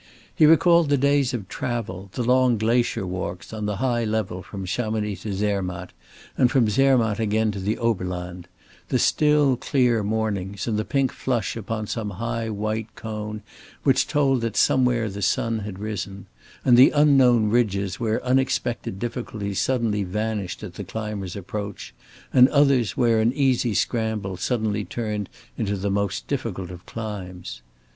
He recalled the days of travel, the long glacier walks on the high level from Chamonix to Zermatt, and from Zermatt again to the Oberland; the still clear mornings and the pink flush upon some high white cone which told that somewhere the sun had risen; and the unknown ridges where expected difficulties suddenly vanished at the climber's approach, and others where an easy scramble suddenly turned into the most difficult of climbs.